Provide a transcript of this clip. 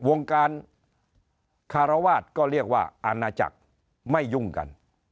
วงการคารวาสก็เรียกว่าอาณาจักรไม่ยุ่งกัน